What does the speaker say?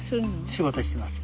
仕事してます。